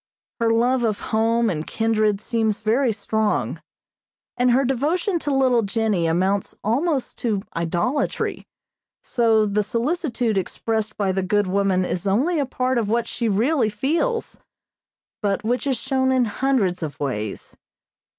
Her love of home and kindred seems very strong, and her devotion to little Jennie amounts almost to idolatry, so the solicitude expressed by the good woman is only a part of what she really feels, but which is shown in hundreds of ways.